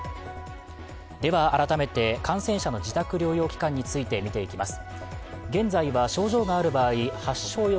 改めて感染者の自宅療養期間について見ていきます。